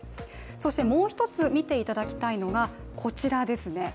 そしてもう一つ見ていただきたいのがこちらですね。